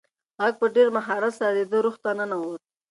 غږ په ډېر مهارت سره د ده روح ته ننووت.